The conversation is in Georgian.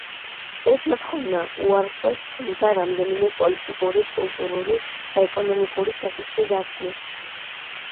ეს მოთხოვნა უარყვეს, თუმცა რამდენიმე პოლიტიკური, კულტურული და ეკონომიკური საკითხი დათმეს.